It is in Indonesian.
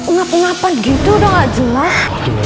ngap ngapa gitu udah gak jelas